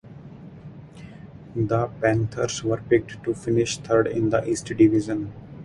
The Panthers were picked to finish third in the East Division.